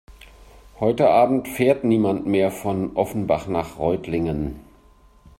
Heute Abend fährt niemand mehr von Offenbach nach Reutlingen